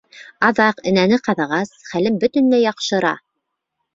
Аҙаҡ, энәне ҡаҙағас, хәлем бөтөнләй яҡшыра.